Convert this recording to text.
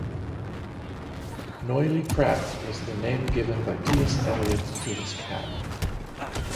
Noilly Prat was the name given by T. S. Eliot to his cat.